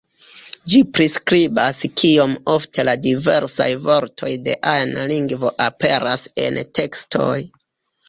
Ĝi priskribas kiom ofte la diversaj vortoj de ajna lingvo aperas en tekstoj.